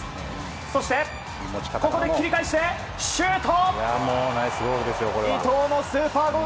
そして、ここで切り返してシュート！